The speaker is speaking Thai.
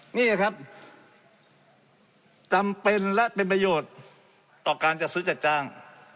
นี่ครับจำเป็นและเป็นประโยชน์ต่อการจัดซื้อจัดจ้าง